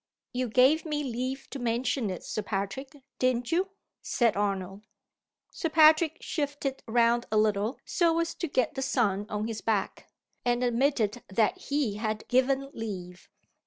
"You gave me leave to mention it, Sir Patrick didn't you?" said Arnold. Sir Patrick shifted round a little, so as to get the sun on his back, and admitted that he had given leave.